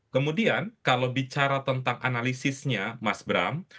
kemudian kalau bicara tentang analisisnya mas bram